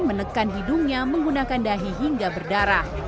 menekan hidungnya menggunakan dahi hingga berdarah